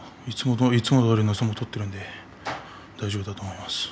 いつもどおりの相撲を取っているのでいいと思います。